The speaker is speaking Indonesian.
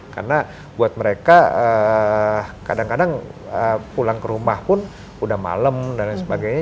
karena buat mereka kadang kadang pulang ke rumah pun udah malem dan lain sebagainya